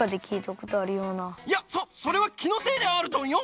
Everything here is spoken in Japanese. いやそそれはきのせいであるドンよ！